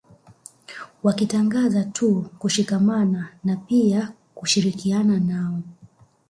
Wakitangaza tu kushikamana nao pia kushirikiana nao